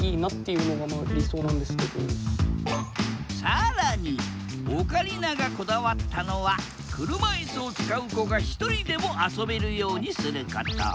更にオカリナがこだわったのは車いすを使う子がひとりでも遊べるようにすること。